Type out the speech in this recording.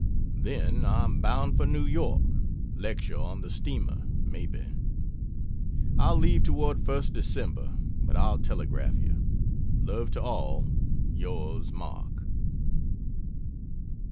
Then I am bound for New York lecture on the Steamer, maybe. I'll leave toward 1st December but I'll telegraph you. Love to all. Yrs. MARK.